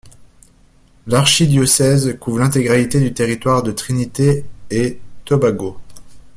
L'archidiocèse couvre l'intégralité du territoire de Trinité-et-Tobago.